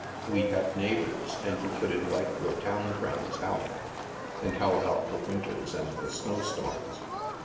We'd have neighbors, and you could invite your town friends out." " How about the winters and the snowstorms?